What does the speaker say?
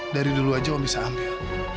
dari dulu aja om bisa ambil